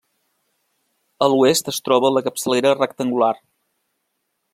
A l'oest es troba la capçalera rectangular.